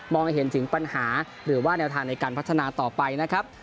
ให้เห็นถึงปัญหาหรือว่าแนวทางในการพัฒนาต่อไปนะครับ